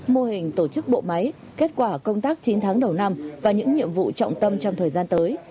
mô hình tổ chức bộ máy kết quả công tác chín tháng đầu năm và những nhiệm vụ trọng tâm trong thời gian tới